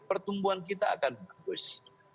pertumbuhan kita akan bagus